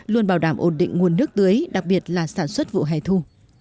luôn bảo đảm ổn định nguồn nước tưới đặc biệt là sản xuất vụ hè thu